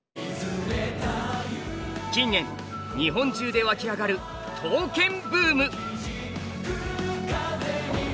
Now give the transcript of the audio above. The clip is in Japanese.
近年日本中でわき上がる刀剣ブーム。